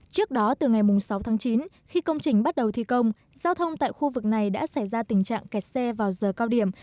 trước đó từ ngày sáu tháng chín khi công trình bắt đầu thi công giao thông tại khu vực này đã xảy ra tình trạng kẹt xe vào giờ cao điểm